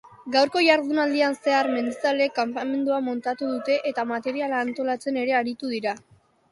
Gaurko ihardunaldian zehar mendizaleek kanpamendua montatu dute eta materiala antolatzen ere aritu dira.